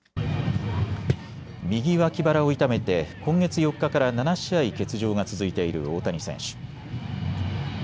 右脇腹を痛めて今月４日から７試合欠場が続いている大谷選手。